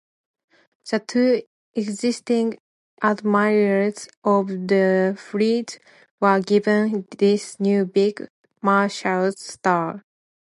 The two existing admirals of the fleet were given this new 'big' marshal's star.